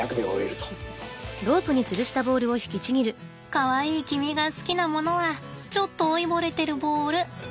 かわいい君が好きなものはちょっと老いぼれてるボールってわけなのね。